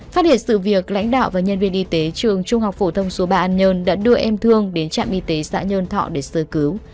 phát hiện sự việc lãnh đạo và nhân viên y tế trường trung học phổ thông số ba an nhơn đã đưa em thương đến trạm y tế xã nhơn thọ để sơ cứu